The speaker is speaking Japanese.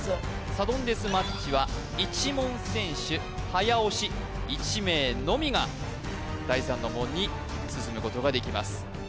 サドンデスマッチは１問先取早押し１名のみが第三の門に進むことができます